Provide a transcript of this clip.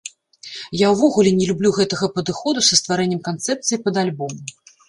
Я ўвогуле не люблю гэтага падыходу са стварэннем канцэпцыі пад альбом.